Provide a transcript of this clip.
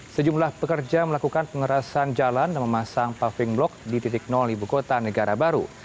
sejumlah pekerja melakukan pengerasan jalan dan memasang paving blok di titik ibu kota negara baru